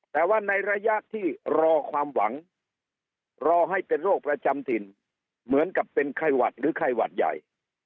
แต่ว่าในระยะที่รอความหวังรอให้เป็นโรคประจำถิ่นเหมือนกับเป็นไข้หวัดหรือไข้หวัดใหญ่